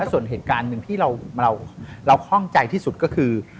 ส่วนเหตุการณ์หนึ่งที่เราคล่องใจที่สุดก็คือ